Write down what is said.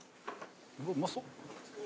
うわうまそう！